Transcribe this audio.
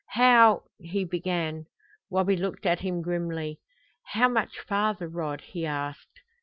"How " he began. Wabi looked at him grimly. "How much farther, Rod?" he asked.